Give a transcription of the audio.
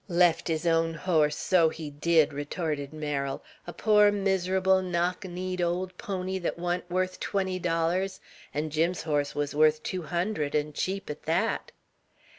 "Left his own horse, so he did!" retorted Merrill. "A poor, miserable, knock kneed old pony, that wa'n't worth twenty dollars; 'n' Jim's horse was worth two hundred, 'n' cheap at that."